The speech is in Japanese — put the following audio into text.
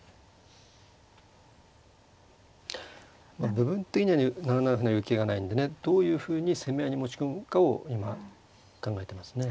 部分的には７七歩成受けがないんでねどういうふうに攻め合いに持ち込むかを今考えてますね。